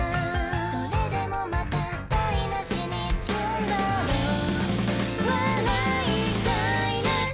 それでもまた台無しにするんだろう笑いたいね